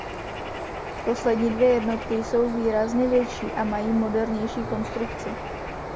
Poslední dvě jednotky jsou výrazně větší a mají modernější konstrukci.